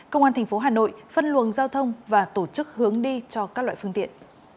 công an thành phố hà nội phân luồng giao thông và tổ chức hướng đi cho các loại phương tiện